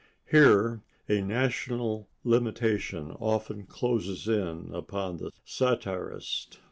Here a national limitation often closes in upon the satirist.